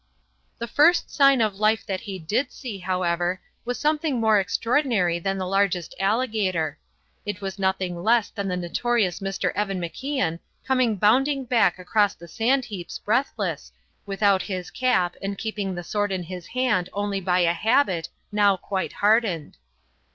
The first sign of life that he did see, however, was something more extraordinary than the largest alligator. It was nothing less than the notorious Mr. Evan MacIan coming bounding back across the sand heaps breathless, without his cap and keeping the sword in his hand only by a habit now quite hardened.